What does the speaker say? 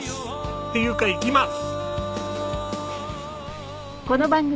っていうか行きます！